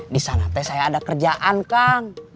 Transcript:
disana teh saya ada kerjaan kang